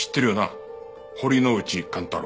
堀之内寛太郎。